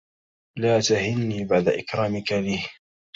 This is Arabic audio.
لا تهني بعد إكرامك لي